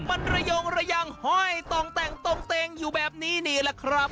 มันระยงระยังห้อยตรงแต่งตรงเต็งอยู่แบบนี้นี่แหละครับ